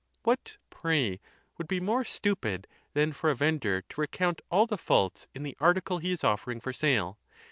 What, pray, would be more stupid than for a vendor to recount all the faults in the article he is ofFering for sale